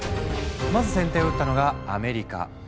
まず先手を打ったのがアメリカ。